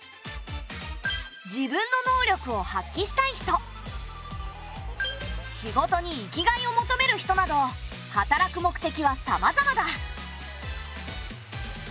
自分の能力を発揮したい人仕事に生きがいを求める人など働く目的はさまざまだ。